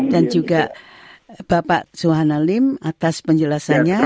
dan juga bapak soehana lim atas penjelasannya